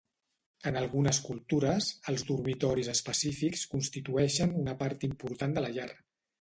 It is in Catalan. En algunes cultures, els dormitoris específics constitueixen una part important de la llar.